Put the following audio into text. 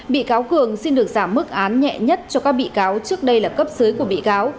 bị cáo cường xin được giảm mức án nhẹ nhất cho các bị cáo trước đây là cấp dưới của bị cáo